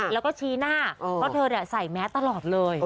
แล้วก็ชี้หน้าเพราะเธอใส่แมสตลอดเลย